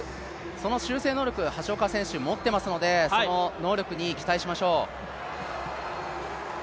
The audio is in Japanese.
その修正能力が、橋岡選手、持ってますのでその能力に期待しましょう。